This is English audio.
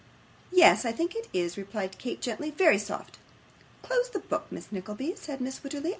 'Yes, I think it is,' replied Kate, gently; 'very soft.' 'Close the book, Miss Nickleby,' said Mrs. Wititterly.